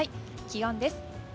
気温です。